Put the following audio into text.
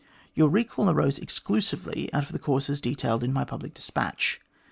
Your recall arose exclusively out of the causes detailed in my public despatch.